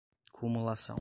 cumulação